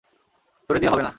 তোরে দিয়া হবে না।